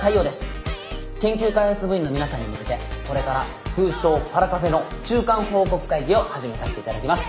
研究開発部員の皆さんに向けてこれから通称パラカフェの中間報告会議を始めさせて頂きます。